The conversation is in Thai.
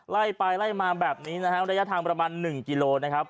ไล่ไปไล่มาแบบนี้นะฮะระยะทางประมาณ๑กิโลนะครับ